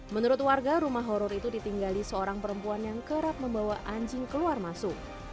menurut warga rumah horror itu ditinggali seorang perempuan yang kerap membawa anjing keluar masuk